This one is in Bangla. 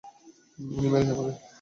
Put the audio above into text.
উনিই মেরেছে আমাকে।